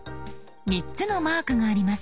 ３つのマークがあります。